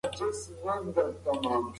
که طرحې علمي وي نو اغېزې یې مثبتې وي.